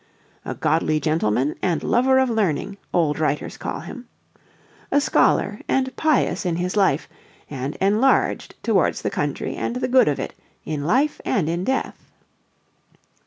"A godly gentleman and lover of learning," old writers call him. "A scholar and pious in his life, and enlarged towards the country and the good of it, in life and in death."